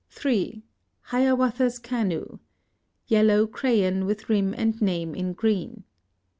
3. Hiawatha's canoe. Yellow crayon, with rim and name in green.